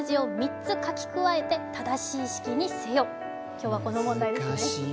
今日はこの問題です。